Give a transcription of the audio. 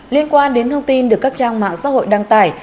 liên quan đến thông tin được các trang mạng xã hội đăng tải